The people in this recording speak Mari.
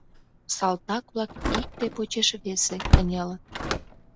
Салтак-влак икте почеш весе кынелыт.